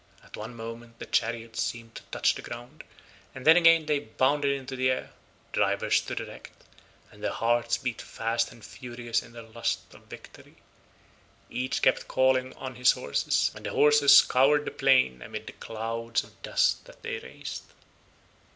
At one moment the chariots seemed to touch the ground, and then again they bounded into the air; the drivers stood erect, and their hearts beat fast and furious in their lust of victory. Each kept calling on his horses, and the horses scoured the plain amid the clouds of dust that they raised.